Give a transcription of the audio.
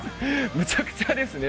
むちゃくちゃですね。